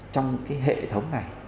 trong cái hệ thống này